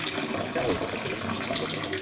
এটা আমার অভিশপ্ত ছেলে অ্যামলেথের কাজ।